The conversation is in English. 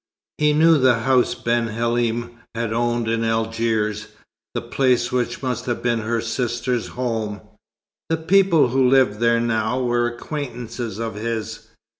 He knew the house Ben Halim had owned in Algiers, the place which must have been her sister's home. The people who lived there now were acquaintances of his.